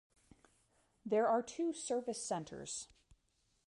There are two Service Centers.